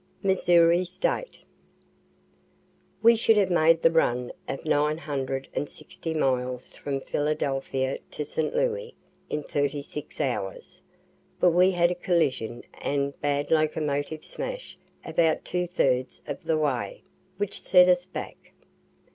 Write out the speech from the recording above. MISSOURI STATE We should have made the run of 960 miles from Philadelphia to St. Louis in thirty six hours, but we had a collision and bad locomotive smash about two thirds of the way, which set us back.